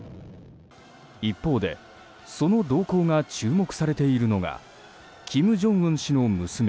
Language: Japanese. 一方でその動向が注目されているのが金正恩氏の娘